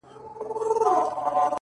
اې تاته وايم دغه ستا تر سترگو بـد ايسو-